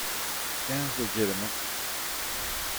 Sounds legitimate.